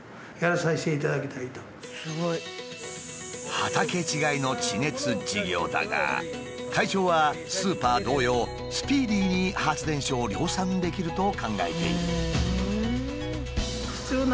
畑違いの地熱事業だが会長はスーパー同様スピーディーに発電所を量産できると考えている。